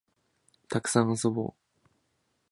たくさん遊ぼう